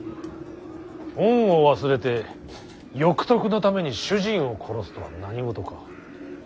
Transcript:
恩を忘れて欲得のために主人を殺すとは何事か。